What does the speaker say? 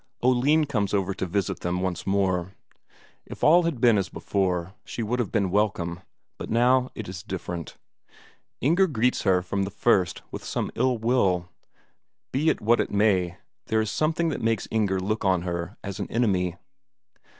Oline comes over to visit them once more. If all had been as before she would have been welcome, but now it is different. Inger greets her from the first with some ill will; be it what it may, there is something that makes Inger look on her as an enemy.